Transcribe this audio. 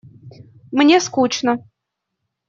Мне скучно.